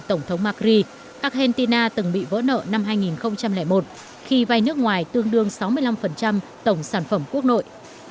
tổng thống macri argentina từng bị vỡ nợ năm hai nghìn một khi vay nước ngoài tương đương sáu mươi năm tổng sản phẩm quốc nội